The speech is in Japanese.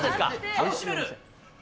楽しめる？